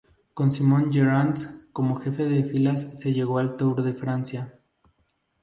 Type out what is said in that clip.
Con Simon Gerrans como jefe de filas se llegó al Tour de Francia.